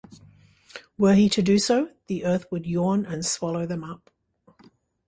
Were he to do so, the earth would yawn and swallow them up.